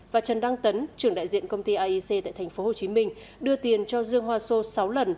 và trần đăng tấn trưởng đại diện công ty iec tại tp hcm đưa tiền cho dương hoa sô sáu lần